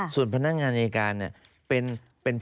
ส่วนพนักงานอายาการเป็นฟ้องแทนรัฐ